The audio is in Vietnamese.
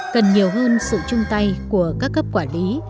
cần nhiều hơn sự chung tay của các cấp quản lý